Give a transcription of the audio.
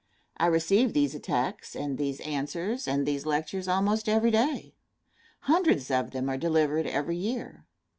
I receive these attacks, and these answers, and these lectures almost every day. Hundreds of them are delivered every year.